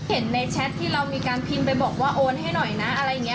เห็นในแชทที่เรามีการพิมพ์ไปบอกว่าโอนให้หน่อยนะอะไรอย่างนี้